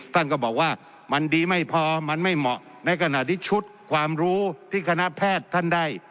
ท่านก็บอกว่ามันดีไม่พอมันไม่เหมาะในขณะที่ชุดความรู้ที่คณะแพทย์ท่านได้